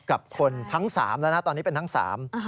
กับคนทั้งสามแล้วนะตอนนี้เป็นทั้งสาม